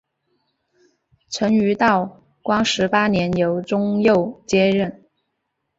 曾于道光十八年由中佑接任。